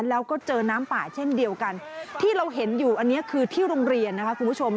แล้วก็เจอน้ำป่าเช่นเดียวกันที่เราเห็นอยู่อันนี้คือที่โรงเรียนนะคะคุณผู้ชม